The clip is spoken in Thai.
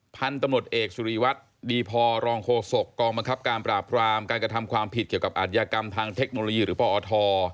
พันธุ์ตำรวจเอกสุริวัตรดีพอรองโฆษกองบังคับการปราบรามการกระทำความผิดเกี่ยวกับอาทยากรรมทางเทคโนโลยีหรือปอท